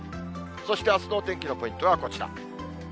そして、あすの天気のポイントはこちら。